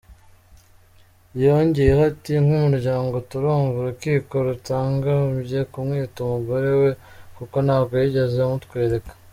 Yongeyeho ati “Nk’ umuryango turumva urukiko rutakagombye kumwita umugore we kuko ntabwo yigeze amutwereka”.